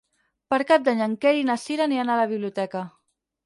Per Cap d'Any en Quer i na Cira aniran a la biblioteca.